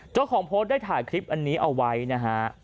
เจ้าของโพสต์ได้ถ่ายคลิปอันนี้เอาไว้นะฮะ